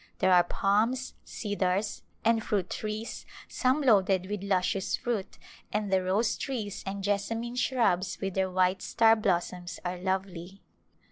There are palms, cedars, and fruit trees, some loaded with luscious fruit, and the rose trees and jessamine shrubs with their white star blossoms are lovely.